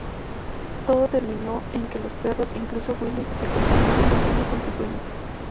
Todo terminó en que los perros, incluso Willy se conformaron volviendo con sus dueños